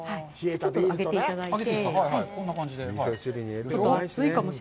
ちょっと上げていただいて。